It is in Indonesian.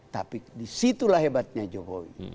tapi disitulah hebatnya jokowi